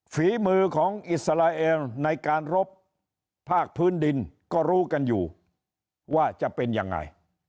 ฝีมือของอิสราเอลในการรบภาคพื้นดินก็รู้กันอยู่ว่าจะเป็นยังไง